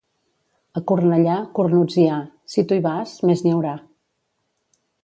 A Cornellà, cornuts hi ha; si tu hi vas, més n'hi haurà.